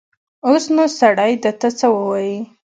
اوس نو سړی ده ته څه ووايي.